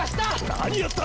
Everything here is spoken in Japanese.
何やった！？